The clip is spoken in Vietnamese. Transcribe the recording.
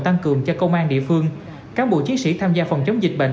tăng cường cho công an địa phương cán bộ chiến sĩ tham gia phòng chống dịch bệnh